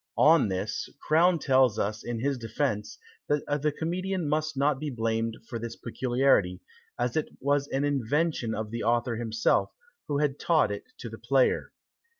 On this, Crown tells us in his defence, that the comedian must not be blamed for this peculiarity, as it was an invention of the author himself, who had taught it to the player.